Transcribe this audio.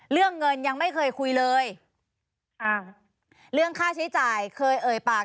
เรื่องเงินยังไม่เคยคุยเลยอ่าเรื่องค่าใช้จ่ายเคยเอ่ยปาก